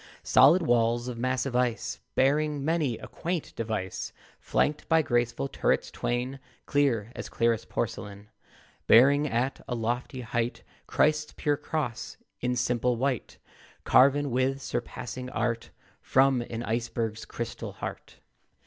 Solid walls of massive ice, Bearing many a quaint device, Flanked by graceful turrets twain, Clear as clearest porcelain, Bearing at a lofty height Christ's pure cross in simple white, Carven with surpassing art From an iceberg's crystal heart.